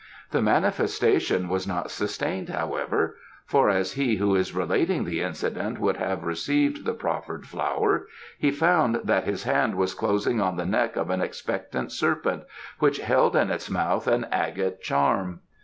The manifestation was not sustained, however, for as he who is relating the incident would have received the proffered flower he found that his hand was closing on the neck of an expectant serpent, which held in its mouth an agate charm.